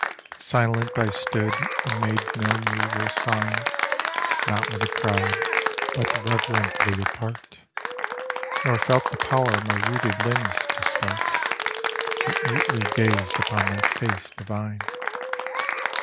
Silent I stood and made no move or sign; Not with the crowd, but reverently apart; Nor felt the power my rooted limbs to start, But mutely gazed upon that face divine.